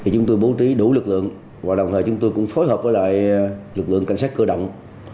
chúng tôi bố trí đủ lực lượng và đồng thời chúng tôi cũng phối hợp với lực lượng cảnh sát cơ động